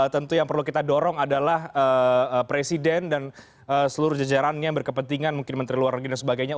tentu yang perlu kita dorong adalah presiden dan seluruh jajarannya yang berkepentingan mungkin menteri luar negeri dan sebagainya